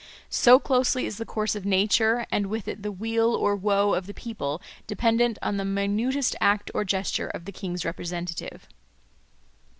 So closely is the course of nature, and with it the weal or woe of the people, dependent on the minutest act or gesture of the king's representative.